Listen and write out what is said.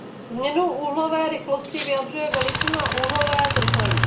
Změnu úhlové rychlosti vyjadřuje veličina úhlové zrychlení.